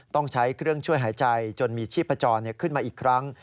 ต้องใช้เครื่องช่วยหายใจจนมีชีพจรขึ้นมาอีกครั้ง